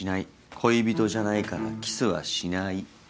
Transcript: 恋人じゃないからキスはしない。